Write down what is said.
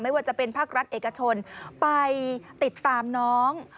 ว่าจะเป็นภาครัฐเอกชนไปติดตามน้อง